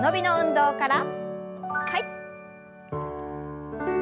はい。